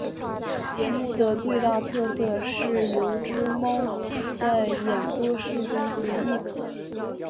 节目的最大特色是有只猫在演播室中随意走动。